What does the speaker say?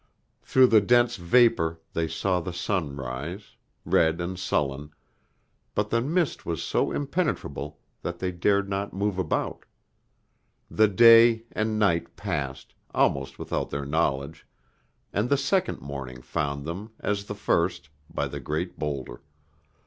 Through the dense vapor they saw the sun rise, red and sullen, but the mist was so impenetrable that they dared not move about. The day and night passed, almost without their knowledge, and the second morning found them, as the first, by the great boulder.